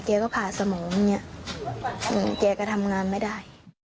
แกก็ผ่าสมองแกก็ทำงานไม่ได้